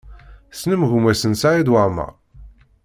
Tessnem gma-s n Saɛid Waɛmaṛ?